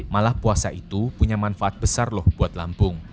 malah puasa itu punya manfaat besar loh buat lambung